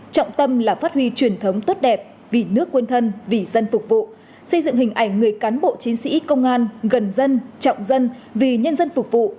trọng tâm là phát huy truyền thống tốt đẹp vì nước quân thân vì dân phục vụ xây dựng hình ảnh người cán bộ chiến sĩ công an gần dân trọng dân vì nhân dân phục vụ